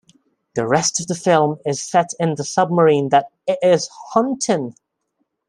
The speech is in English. The rest of the film is set in the submarine that it is hunting.